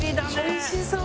おいしそう！